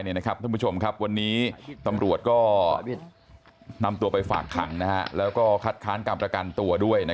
ท่านผู้ชมครับวันนี้ตำรวจก็นำตัวไปฝากขังแล้วก็คัดค้านการประกันตัวด้วย